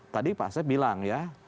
tadi pak asep bilang ya